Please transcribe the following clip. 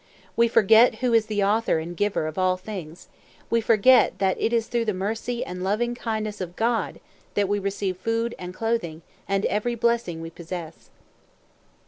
We forget who is the Author and Giver of all good; we forget that it is through the mercy and loving kindness of GOD, that we receive food and clothing, and every blessing we possess.